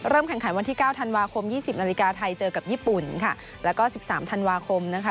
แข่งขันวันที่เก้าธันวาคม๒๐นาฬิกาไทยเจอกับญี่ปุ่นค่ะแล้วก็สิบสามธันวาคมนะคะ